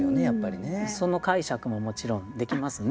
その解釈ももちろんできますね。